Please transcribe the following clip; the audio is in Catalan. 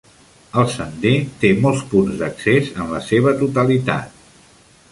El sender té molts punts d'accés en la seva totalitat.